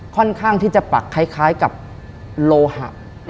ค่อนข้างที่จะปักคล้ายกับโลหะ